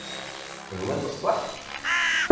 D win n ṣṣeḥ?